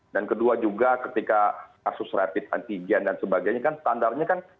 dan kedua juga ketika kasus rapid antigen dan sebagainya kan standarnya kan kita berpikir